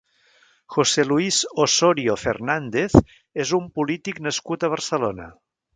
José Luis Osorio Fernández és un polític nascut a Barcelona.